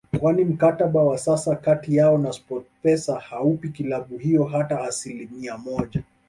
kwani mkataba wa sasa kati yao na Sportpesa hauipi klabu hiyo hata asilimia moja